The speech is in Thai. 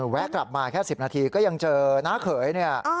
แวะกลับมาแค่๑๐นาทีก็ยังเจอน้าเขยเนี่ย